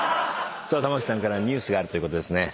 さあ珠城さんからニュースがあるということですね。